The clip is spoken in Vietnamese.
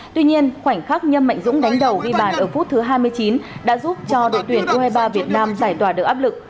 tuy nhiên khoảnh khắc nhâm mạnh dũng đánh đầu ghi bàn ở phút thứ hai mươi chín đã giúp cho đội tuyển u hai mươi ba việt nam giải tỏa được áp lực